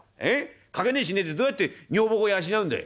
掛値しねえでどうやって女房子養うんだい？」。